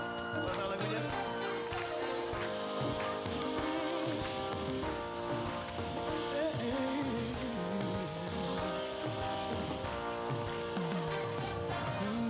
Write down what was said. terima kasih ragam